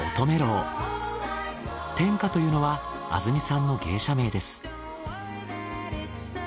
天花というのは天澄さんの芸者名です。